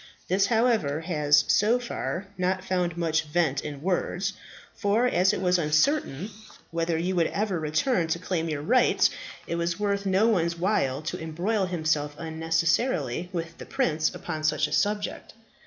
This, however, has, so far, not found much vent in words, for as it was uncertain whether you would ever return to claim your rights, it was worth no one's while to embroil himself unnecessarily with the prince upon such a subject.